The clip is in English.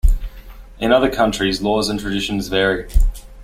In other countries, laws and traditions vary.